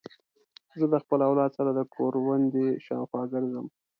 زه د خپل اولاد سره د کوروندې شاوخوا ګرځم.